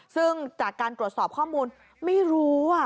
ซึ่งจากการตรวจสอบข้อมูลไม่รู้